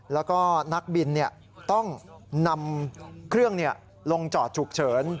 แล้วก็นักบินเนี่ยต้องนำเครื่องเนี่ยลงจอดฉุกเฉิน